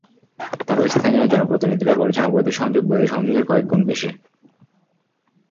তবে স্থানীয় জনপ্রতিনিধিরা বলছেন, অবৈধ সংযোগ বৈধ সংযোগের কয়েক গুণ বেশি।